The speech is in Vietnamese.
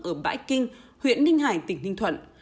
ở bãi kinh huyện ninh hải tỉnh ninh thuận